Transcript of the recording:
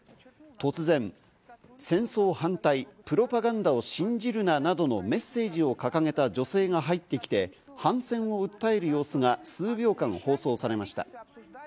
突然、戦争反対、プロパガンダを信じるな、などのメッセージを掲げた女性が入ってきて、反戦を訴える様子が数秒間放送されました。